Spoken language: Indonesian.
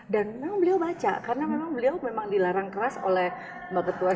dan memang beliau baca karena memang beliau memang dilarang keras oleh mbak ketua dpr